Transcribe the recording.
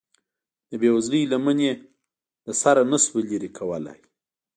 د بې وزلۍ لمن یې له سره نشوه لرې کولی.